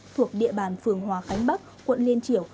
thuộc địa bàn phường hòa khánh bắc quận liên triểu